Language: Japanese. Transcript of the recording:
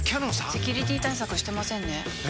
セキュリティ対策してませんねえ！